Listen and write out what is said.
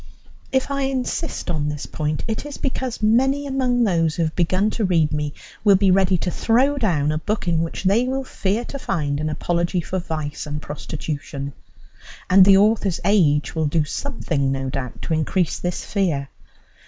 If I insist on this point, it is because many among those who have begun to read me will be ready to throw down a book in which they will fear to find an apology for vice and prostitution; and the author's age will do something, no doubt, to increase this fear.